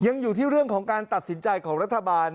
ยังอยู่ที่เรื่องของการตัดสินใจของรัฐบาล